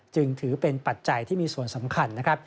จึงถือเป็นปัจจัยที่มีส่วนสำคัญนะครับ